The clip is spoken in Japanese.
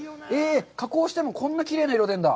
加工しても、こんなきれいな色が出るんだ。